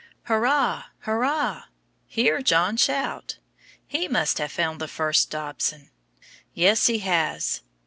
Hurrah! hurrah! hear John shout! He must have found the first dobson. Yes, he has.